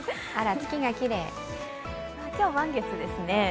今日満月ですね。